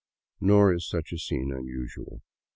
Nor is such a scene unusual.